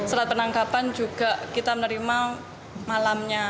serat penangkapan juga kita menerima malamnya